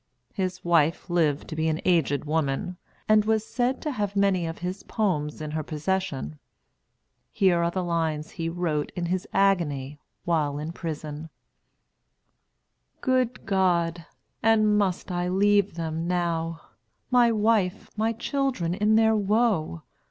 His wife lived to be an aged woman, and was said to have many of his poems in her possession. Here are the lines he wrote in his agony while in prison: "Good God! and must I leave them now, My wife, my children, in their woe?